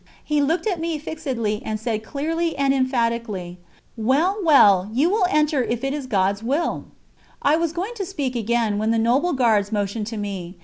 He looked at me fixedly and said clearly and emphatically: "Well, well! You will enter if it is God's Will." I was going to speak again, when the Noble Guards motioned to me.